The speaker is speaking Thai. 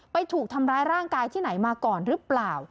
ถูกทำร้ายร่างกายที่ไหนมาก่อนหรือเปล่า